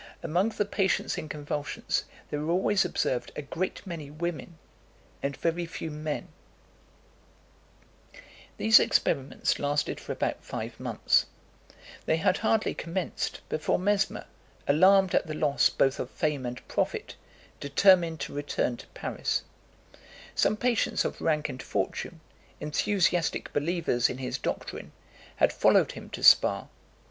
Among the patients in convulsions there are always observed a great many women, and very few men." Rapport des Commissaires, rédigé par M. Bailly. Paris, 1784. These experiments lasted for about five months. They had hardly commenced, before Mesmer, alarmed at the loss both of fame and profit, determined to return to Paris. Some patients of rank and fortune, enthusiastic believers in his doctrine, had followed him to Spa.